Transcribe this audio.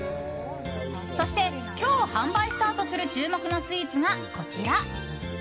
そして今日、販売スタートする注目のスイーツがこちら！